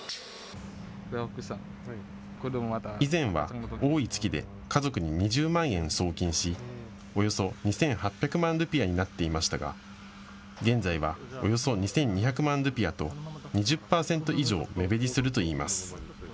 以前は多い月で家族に２０万円送金しおよそ２８００万ルピアになっていましたが、現在はおよそ２２００万ルピアと２０％以上目減りするといいます。